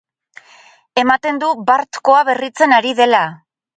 Ematen du bartkoa berritzen ari dela.